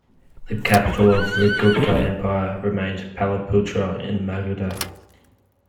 The capital of the Gupta Empire remained Pataliputra in Magadha.